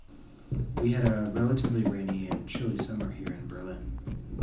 We had a relatively rainy and chilly summer here in Berlin.